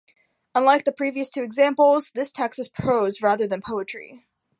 Unlike the previous two examples, this text is prose rather than poetry.